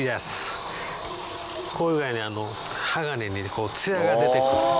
こういう具合に鋼に艶が出てくる。